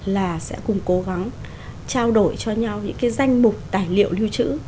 là sẽ cùng cố gắng trao đổi cho nhau những cái danh mục tài liệu lưu trữ